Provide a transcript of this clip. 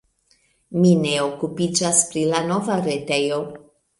Mi ne okupiĝas pri la nova retejo.